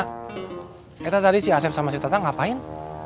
kita tadi si asep sama si tatang ngapain